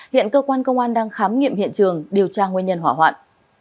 hiện cơ quan công an đang khám nghiệm hiện trường điều tra nguyên nhân hỏa hoạn